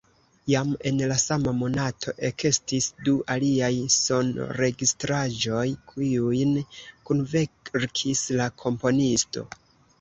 Jam en la sama monato ekestis du aliaj sonregistraĵoj, kiujn kunverkis la komponisto.